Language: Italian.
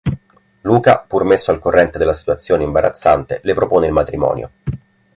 Luca, pur messo al corrente della situazione imbarazzante, le propone il matrimonio.